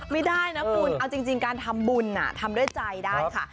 ไม่ได้นะคุณเอาจริงการทำบุญทำด้วยใจได้ค่ะ